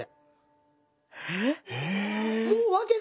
えっ。